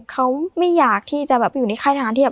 เขาไม่อยากที่จะอยู่ในค่ายทางที่